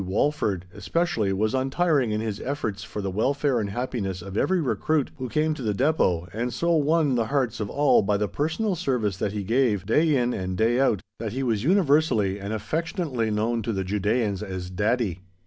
Walford especially was untiring in his efforts for the welfare and happiness of every recruit who came to the Depôt, and so won the hearts of all by the personal service that he gave, day in and day out, that he was universally and affectionately known to the Judæans as "Daddy."